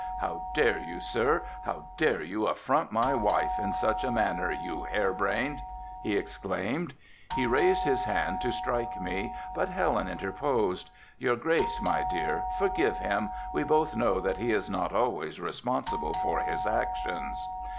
"'How dare you sir, how dare you affront my wife in such a manner, you hair brained?' he exclaimed. He raised his hand to strike me, but Helen interposed. 'Your grace, my dear, forgive him, we both know that he is not always responsible for his actions.